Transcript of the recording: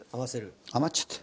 余っちゃった。